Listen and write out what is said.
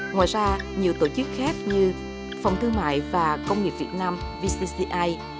ngoài ra nhiều tổ chức khác như phòng thương mại và công nghiệp việt nam vcci